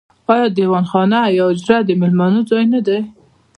آیا دیوان خانه یا حجره د میلمنو ځای نه دی؟